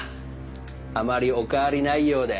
あまりお変わりないようで。